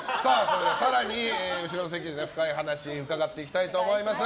更に後ろの席で深い話を伺っていきたいと思います。